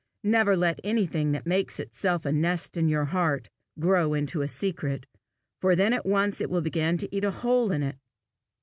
Never let anything that makes itself a nest in your heart, grow into a secret, for then at once it will begin to eat a hole in it."